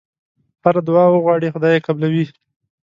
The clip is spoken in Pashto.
هره دعا وغواړې خدای یې قبلوي.